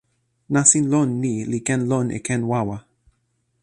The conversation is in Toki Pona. nasin lon ni li ken lon li ken wawa.